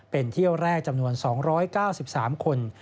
เป็นเที่ยวแรกจำนวน๒๙๓คน